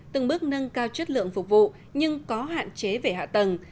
từng bước nâng cao chất lượng phục vụ nhưng có hạn chế về hạ tầng